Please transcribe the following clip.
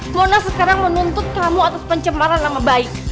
mona sekarang menuntut kamu atas pencemaran nama baik